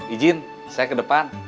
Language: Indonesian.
ijin saya ke depan